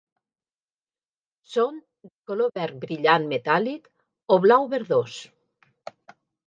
Són de color verd brillant metàl·lic o blau verdós.